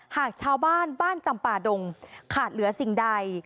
หากชาวบ้านบ้านจำป่าดงขาดเหลือสิ่งใด